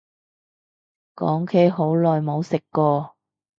講起好耐冇食過